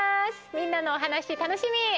みんなのおはなしたのしみ！